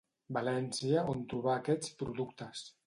València on trobar aquests productes.